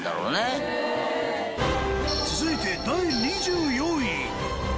続いて第２４位。